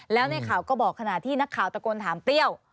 แล้วในข่าวก็บอกขณะที่นักข่าวตะโกนถามเปรี้ยว